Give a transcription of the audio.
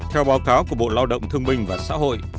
theo báo cáo của bộ lao động thương binh và xã hội